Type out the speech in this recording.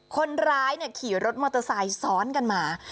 คนร้ายขี่รถมอเตอร์ไซค์ซ้อนกันมา